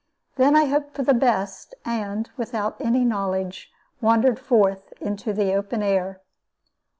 Then I hoped for the best, and, without any knowledge, wandered forth into the open air.